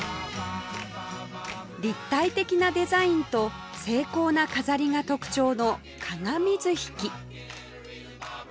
立体的なデザインと精巧な飾りが特徴の加賀水引